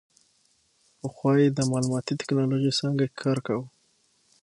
پخوا یې د معلوماتي ټیکنالوژۍ څانګه کې کار کاوه.